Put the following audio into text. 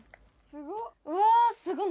うわすごっ！